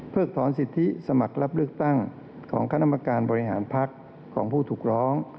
ถอนสิทธิสมัครรับเลือกตั้งของคณะกรรมการบริหารพักของผู้ถูกร้อง